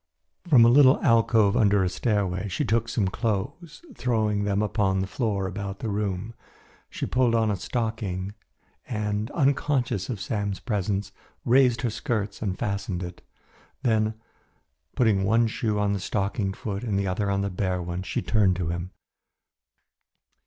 From a little alcove under a stairway she took clothes, throwing them upon the floor about the room. She pulled on a stocking and, unconscious of Sam's presence, raised her skirts and fastened it. Then, putting one shoe on the stockinged foot and the other on the bare one, she turned to him.